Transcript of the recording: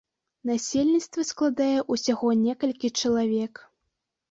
Насельніцтва складае ўсяго некалькі чалавек.